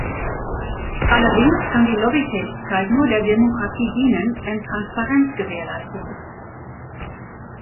Allerdings kann die Lobbytätigkeit nur der Demokratie dienen, wenn Transparenz gewährleistet ist.